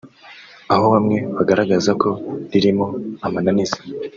aho bamwe bagaragaza ko ririmo amananiza